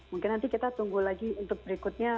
mungkin nanti kita tunggu lagi untuk berikutnya